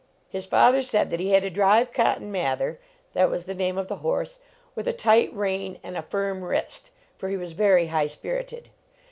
His father said that he had to drive Cotton Mather that was the name of the horse with a tight rein and a firm wrist, for he was very high spirited.